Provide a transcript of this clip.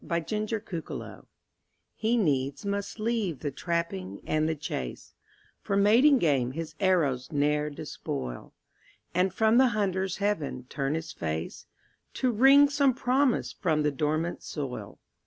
THE INDIAN CORN PLANTER He needs must leave the trapping and the chase, For mating game his arrows ne'er despoil, And from the hunter's heaven turn his face, To wring some promise from the dormant soil.